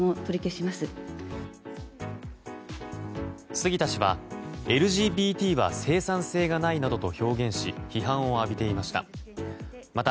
杉田氏は、ＬＧＢＴは生産性がないなどと表現し批判を浴びていました。